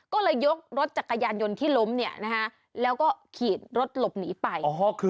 ก็เลยยกรถจักรยานยนต์ที่ล้มแล้วก็ขี่รถหลบหนีไป